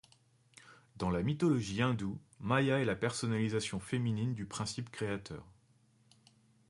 Dans la mythologie hindoue, Maïa est la personnalisation féminine du principe créateur.